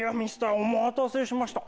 お待たせしました。